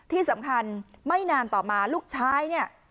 ที่สำคัญไม่นานต่อมาลูกชายเนี่ย